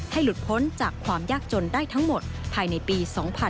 หลุดพ้นจากความยากจนได้ทั้งหมดภายในปี๒๕๕๙